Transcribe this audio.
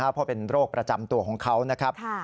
เพราะเป็นโรคประจำตัวของเขานะครับ